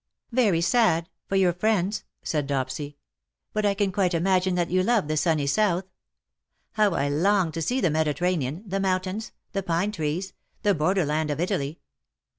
" Very sad — for your friends," said Dopsy ;" but I can quite imagine that you love the sunny South. How I long to see the Mediterranean — the mountains — the pine trees — the border land of Italy."